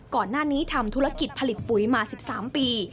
ก่อนหน้านี้ทำธุรกิจผลิตปุ๋ยมา๑๓ปี